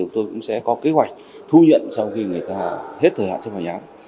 chúng tôi cũng sẽ có kế hoạch thu nhận sau khi người ta hết thời hạn chấp hành án